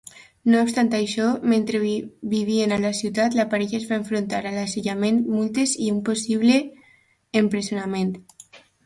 No obstant això, mentre vivien a la ciutat, la parella es va enfrontar a l'assetjament, multes i un possible empresonament.